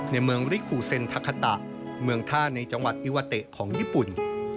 ในเมืองริคูเซ็นทาคาตะเมืองท่าในจังหวัดอิวาเตะของญี่ปุ่น